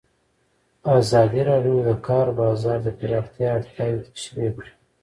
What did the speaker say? ازادي راډیو د د کار بازار د پراختیا اړتیاوې تشریح کړي.